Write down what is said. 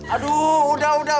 aduh udah udah